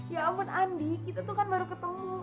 ya ampun andi itu tuh kan baru ketemu